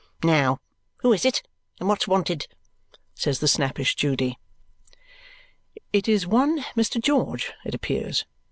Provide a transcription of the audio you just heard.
"Now! Who is it, and what's wanted?" says the snappish Judy. It is one Mr. George, it appears.